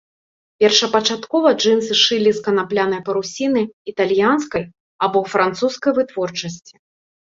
Першапачаткова джынсы шылі з канаплянай парусіны італьянскай або французскай вытворчасці.